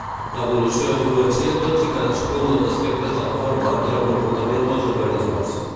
L'evolució influencia tots i cadascun dels aspectes de la forma i el comportament dels organismes.